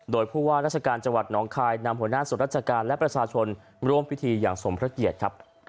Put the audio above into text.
โดยผู้ว่าราชการจังหวัดน้องคายนำหัวหน้าส่วนราชการและประชาชนร่วมพิธีอย่างสมพระเกียรติครับ